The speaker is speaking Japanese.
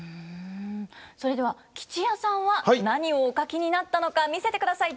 それでは吉弥さんは何をお書きになったのか見せてください。